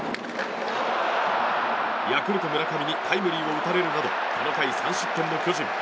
ヤクルト、村上にタイムリーを打たれるなどこの回、３失点の巨人。